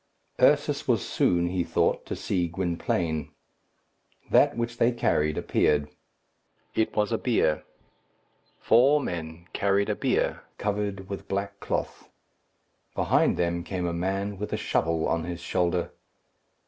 Ursus was soon, he thought, to see Gwynplaine. That which they carried appeared. It was a bier. Four men carried a bier, covered with black cloth. Behind them came a man, with a shovel on his shoulder.